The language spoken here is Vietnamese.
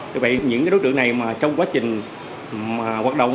vì vậy những đối tượng này mà trong quá trình hoạt động